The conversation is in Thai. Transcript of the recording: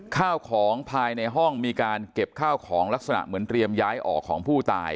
ข้าวของภายในห้องมีการเก็บข้าวของลักษณะเหมือนเตรียมย้ายออกของผู้ตาย